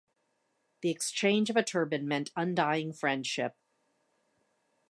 The exchange of a turban meant undying friendship.